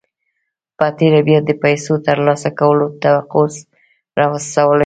په تېره بيا د پيسو ترلاسه کولو توقع رسولای شئ.